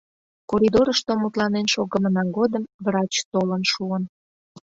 Коридорышто мутланен шогымына годым врач толын шуын.